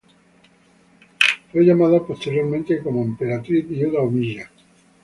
Fue llamada posteriormente como Emperatriz Viuda Omiya.